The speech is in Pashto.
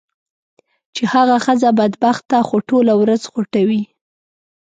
چې هغه ښځه بدبخته خو ټوله ورځ خوټوي.